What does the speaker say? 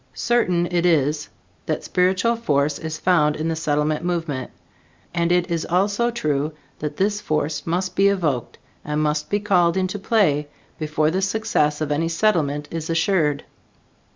Certain it is that spiritual force is found in the Settlement movement, and it is also true that this force must be evoked and must be called into play before the success of any Settlement is assured.